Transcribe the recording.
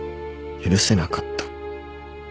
許せなかった